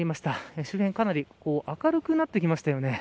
周辺かなり明るくなってきましたね。